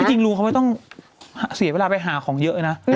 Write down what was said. จริงลุงเขาไม่ต้องเสียเวลาไปหาของเยอะเลยนะ